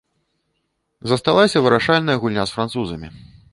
Засталася вырашальная гульня з французамі.